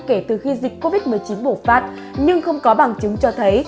kể từ khi dịch covid một mươi chín bùng phát nhưng không có bằng chứng cho thấy